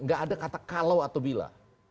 gak ada kata kalau atau bila